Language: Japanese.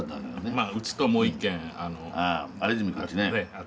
まあうちともう一軒。あ黛君ちね。